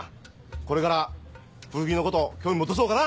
これから古着のこと興味持てそうかな？